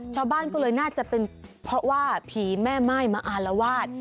ชาวบ้านก็เลยน่าจะเป็นเพราะว่าผีแม่ม่ายมาอารวาส